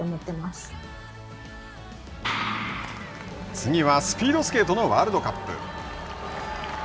次は、スピードスケートのワールドカップ。